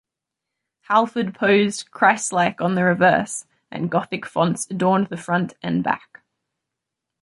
Halford posed Christ-like on the reverse, and Gothic fonts adorned the front and back.